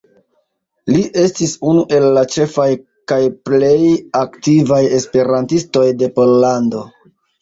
Li estis unu el la ĉefaj kaj plej aktivaj esperantistoj de Pollando.